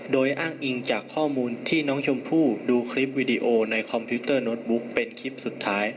โดยอ้างอิงจากข้อมูลที่น้องชมพู่ดูคลิปวิดีโอในคอมพิวเตอร์โน้ตบุ๊กเป็นคลิปสุดท้าย